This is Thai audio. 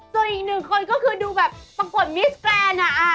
จนอีกหนึ่งคนก็คือดูแบบประกวดมิสแกเเกรนอ่ะ